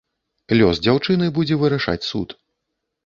Лёс дзяўчыны будзе вырашаць суд.